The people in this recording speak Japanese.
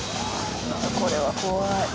これは怖い。